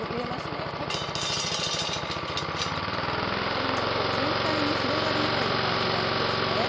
これねこう全体に広がるような感じがいいんですね。